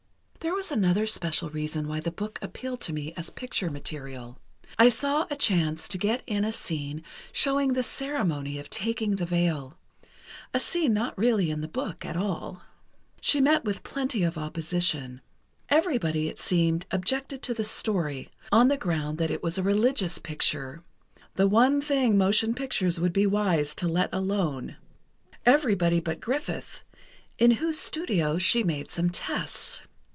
"There was another special reason why the book appealed to me as picture material: I saw a chance to get in a scene showing the ceremony of taking the veil—a scene not really in the book at all." She met with plenty of opposition. Everybody, it seemed, objected to the story, on the ground that it was a religious picture, "the one thing motion pictures would be wise to let alone"—everybody but Griffith, in whose studio she made some tests.